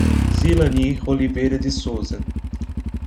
Zilanir Oliveira de Souza